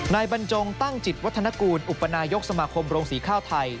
บรรจงตั้งจิตวัฒนกูลอุปนายกสมาคมโรงสีข้าวไทย